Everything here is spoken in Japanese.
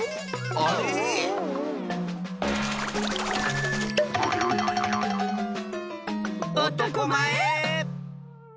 あれ⁉おとこまえ！